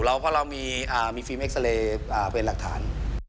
เพราะเรามีฟิล์เอ็กซาเรย์เป็นหลักฐาน